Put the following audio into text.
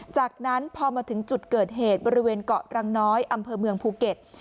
จากนั้นพอมาถึงจุดเกิดเหตุบริเวณเกาะรังน้อยอำเภอเมืองภูเก็ต